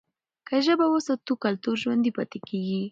که ژبه وساتو، کلتور ژوندي پاتې کېږي.